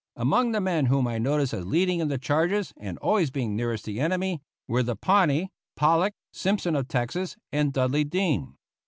Among the men whom I noticed as leading in the charges and always being nearest the enemy, were the Pawnee, Pollock, Simpson of Texas, and Dudley Dean.